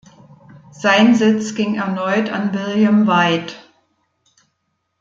Sein Sitz ging erneut an William Whyte.